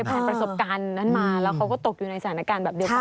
ผ่านประสบการณ์นั้นมาแล้วเขาก็ตกอยู่ในสถานการณ์แบบเดียวกัน